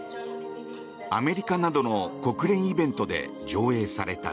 アメリカなどの国連イベントで上映された。